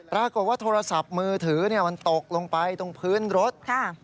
โทรศัพท์มือถือมันตกลงไปตรงพื้นรถ